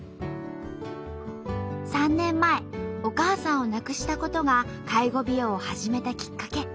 ３年前お母さんを亡くしたことが介護美容を始めたきっかけ。